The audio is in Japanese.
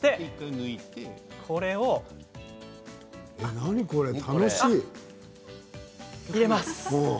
何これ、楽しい。入れます。